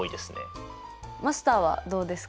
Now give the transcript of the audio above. マスターはどうですか？